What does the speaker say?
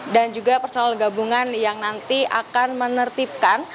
dan juga personel gabungan yang nanti akan menertibkan